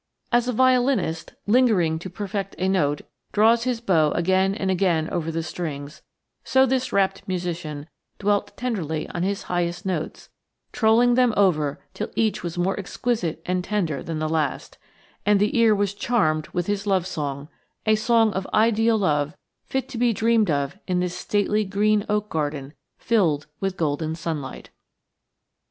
As a violinist, lingering to perfect a note, draws his bow again and again over the strings, so this rapt musician dwelt tenderly on his highest notes, trolling them over till each was more exquisite and tender than the last, and the ear was charmed with his love song a song of ideal love fit to be dreamed of in this stately green oak garden filled with golden sunlight.